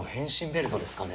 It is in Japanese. ベルトですかね。